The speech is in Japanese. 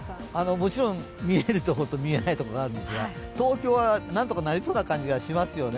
もちろん、見えるとこと見えないとこがあるんですが東京はなんとかなりそうな感じがしますよね。